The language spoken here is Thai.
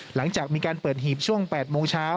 หลังจากมีการเปิดหีบช่วง๘โมงเช้า